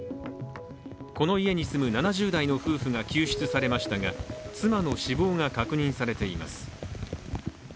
この家に住む７０代の夫婦が救出されましたが、妻の死亡が確認されています。